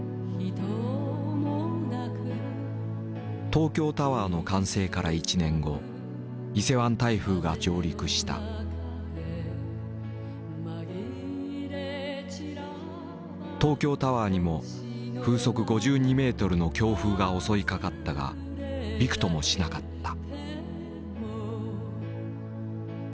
東京タワーの完成から１年後東京タワーにも風速５２ｍの強風が襲いかかったがびくともしなかった。